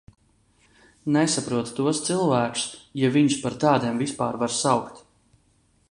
Nesaprotu tos cilvēkus, ja viņus par tādiem vispār var saukt.